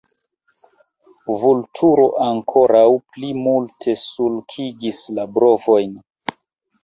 Vulturo ankoraŭ pli multe sulkigis la brovojn.